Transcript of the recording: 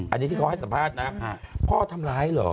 อันนี้ที่เขาให้สัมภาษณ์นะพ่อทำร้ายเหรอ